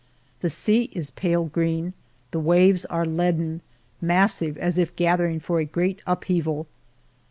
The sea is pale green, the waves are leaden, massive as if gathering for a great up heaval.